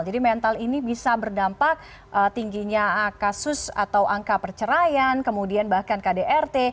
jadi mental ini bisa berdampak tingginya kasus atau angka perceraian kemudian bahkan kdrt